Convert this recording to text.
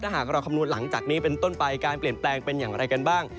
หากเราคำนวณหลังจากนี้เป็นต้นไปการเปลี่ยนแปลงเป็นอย่างไรกันบ้าง